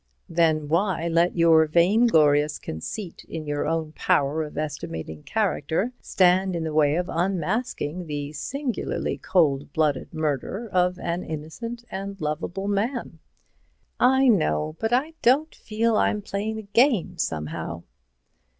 "Then why let your vainglorious conceit in your own power of estimating character stand in the way of unmasking the singularly cold blooded murder of an innocent and lovable man?" "I know—but I don't feel I'm playing the game somehow."